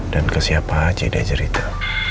dan ke siapa saja dia cerita